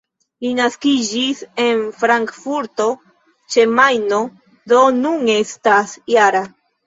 Li naskiĝis en Frankfurto ĉe Majno, do nun estas -jara.